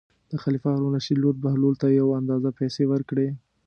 د خلیفه هارون الرشید لور بهلول ته یو اندازه پېسې ورکړې.